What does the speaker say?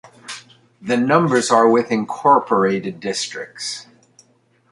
The numbers are with the incoorporated districts.